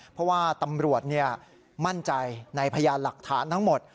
เพราะว่าตำรวจมั่นใจในพยานหลักฐานทั้งหมด